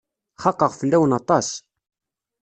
Xaqeɣ fell-awen aṭas.